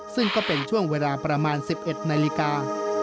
ซึ่งก็เป็นช่วงเวลาประมาณ๑๑นาฬิกา